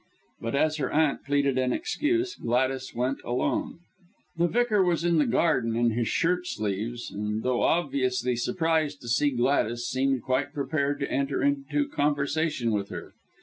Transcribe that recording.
But as her aunt pleaded an excuse, Gladys went alone. The Vicar was in the garden in his shirt sleeves, and though obviously surprised to see Gladys, seemed quite prepared to enter into conversation with her.